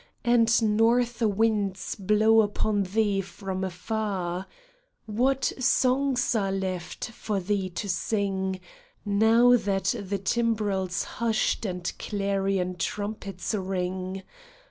And north winds blow upon thee from afar ? What songs are left for thee to sing Now that the timbrel's hushed and clarion trumpets ring